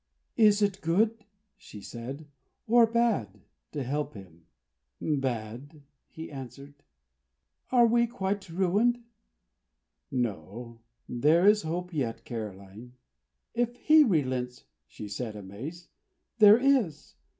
"Is it good," she said, "or bad?" to help him. "Bad," he answered. "We are quite ruined?" "No. There is hope yet, Caroline." "If he relents," she said, amazed, "there is!